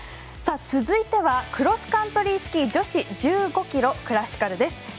続いてはクロスカントリースキー女子１５ｋｍクラシカルです。